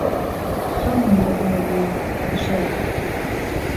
خهون دهبێنی به شەر